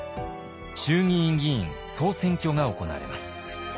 衆議院議員総選挙が行われます。